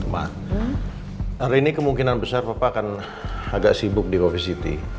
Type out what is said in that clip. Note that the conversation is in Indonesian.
hari ini kemungkinan besar papa akan agak sibuk di coffe city